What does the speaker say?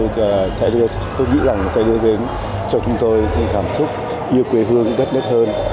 tôi nghĩ rằng sẽ đưa đến cho chúng tôi những cảm xúc yêu quê hương đất đất hơn